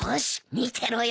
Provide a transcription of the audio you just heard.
見てろよ。